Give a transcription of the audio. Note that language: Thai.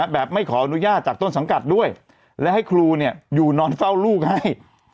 ไม่ขออนุญาตจากต้นสังกัดด้วยและให้ครูอยู่นอนเฝ้าลูกให้